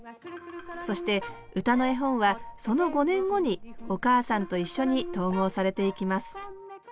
そして「うたのえほん」はその５年後に「おかあさんといっしょ」に統合されていきます。